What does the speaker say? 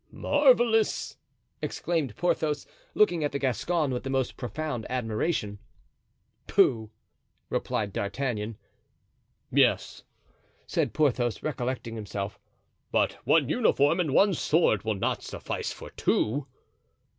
"Marvelous!" exclaimed Porthos, looking at the Gascon with the most profound admiration. "Pooh!" replied D'Artagnan. "Yes," said Porthos, recollecting himself, "but one uniform and one sword will not suffice for two."